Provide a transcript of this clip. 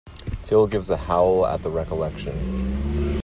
Phil gives a howl at the recollection.